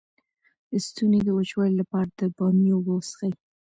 د ستوني د وچوالي لپاره د بامیې اوبه وڅښئ